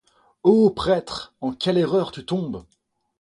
Ô prêtre, en quelle erreur tu tombes !